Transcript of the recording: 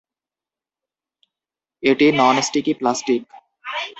এটি non-sticky plastic.